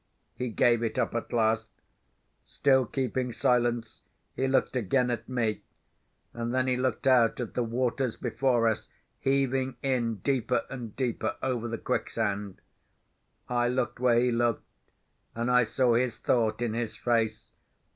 He gave it up at last. Still keeping silence, he looked again at me; and then he looked out at the waters before us, heaving in deeper and deeper over the quicksand. I looked where he looked—and I saw his thought in his face.